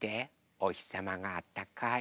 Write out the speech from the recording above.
おひさまがあったかい。